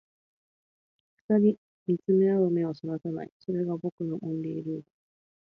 二人見つめ合う目を逸らさない、それが僕のオンリールール